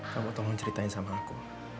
kamu tolong ceritain sama aku